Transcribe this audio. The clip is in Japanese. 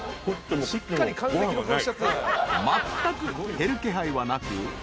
［まったく減る気配はなく］